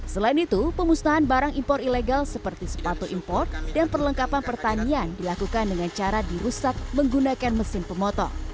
selain itu pemusnahan barang impor ilegal seperti sepatu impor dan perlengkapan pertanian dilakukan dengan cara dirusak menggunakan mesin pemotong